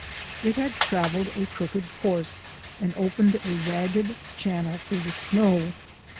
It had travelled a crooked course and opened a ragged channel through the snow.